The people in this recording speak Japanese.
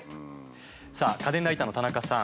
さあ家電ライターの田中さん